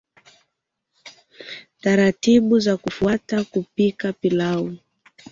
taratibu za kufuata kupika pilau